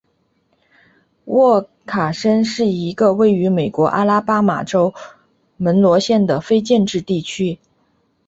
沃卡申是一个位于美国阿拉巴马州门罗县的非建制地区。